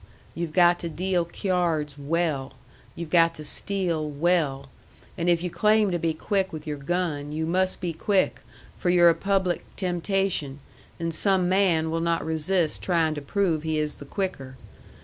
You've got to deal cyards WELL; you've got to steal WELL; and if you claim to be quick with your gun, you must be quick, for you're a public temptation, and some man will not resist trying to prove he is the quicker.